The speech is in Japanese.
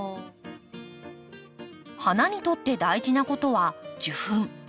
花にとって大事なことは受粉。